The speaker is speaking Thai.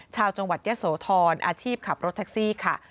ชาวจังหวัดยะโสธรอาชีพขับรถแท็กซี่ค่ะ